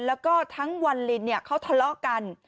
แล้วก็ทั้งวันลินเขาทะเลาะกัน